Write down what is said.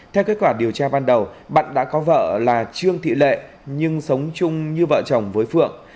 theo kết quả điều tra ban đầu bận đã có vợ là trương thị lệ nhưng sống chung như vợ chồng với phượng